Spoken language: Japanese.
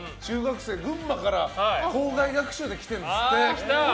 群馬から校外学習で来てるんですって。